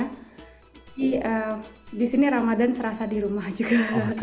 di sini ramadan serasa di rumah juga